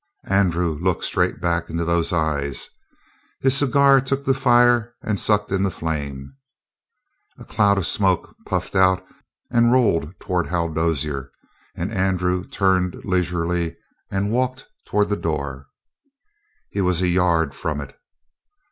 Andrew looked straight back into those eyes. His cigar took the fire and sucked in the flame. A cloud of smoke puffed out and rolled toward Hal Dozier, and Andrew turned leisurely and walked toward the door. He was a yard from it.